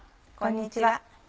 こんにちは。